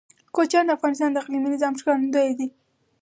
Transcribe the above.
کوچیان د افغانستان د اقلیمي نظام ښکارندوی ده.